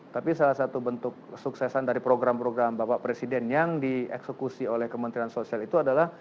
tapi salah satu bentuk suksesan dari program program bapak presiden yang dieksekusi oleh kementerian sosial itu adalah